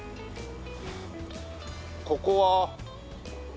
ここは。